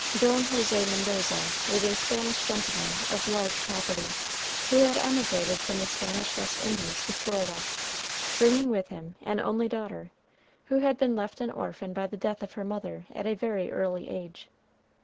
Don José Mendoza was a Spanish gentleman of large property, who had emigrated from the Spanish West Indies to Florida, bringing with him an only daughter, who had been left an orphan by the death of her mother at a very early age.